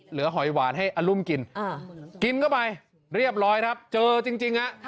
หอยหวานให้อรุมกินกินเข้าไปเรียบร้อยครับเจอจริงฮะ